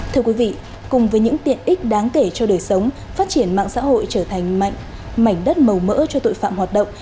thưa quý vị cùng với những tiện ích đáng kể cho đời sống phát triển mạng xã hội trở thành mảnh đất màu mỡ cho tội phạm hoạt động